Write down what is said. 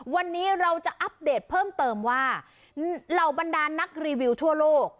วันนี้เราจะอัปเดตเพิ่มเติมว่าเหล่าบรรดานนักรีวิวทั่วโลก